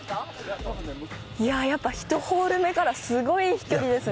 やっぱ１ホール目からすごい飛距離ですね。